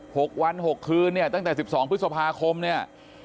หกวันหกคืนเนี่ยตั้งแต่สิบสองพฤษภาคมเนี่ย